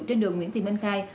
trên đường nguyễn thị minh khai